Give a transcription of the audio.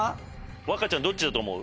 わかちゃんどっちだと思う？